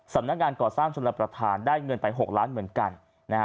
สำนักงานก่อสร้างชนรับประทานได้เงินไป๖ล้านเหมือนกันนะฮะ